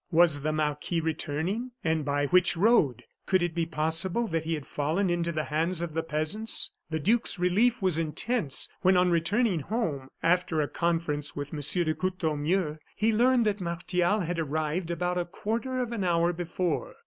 Was the marquis returning? And by which road? Could it be possible that he had fallen into the hands of the peasants? The duke's relief was intense when, on returning home, after a conference with M. de Courtornieu, he learned that Martial had arrived about a quarter of an hour before.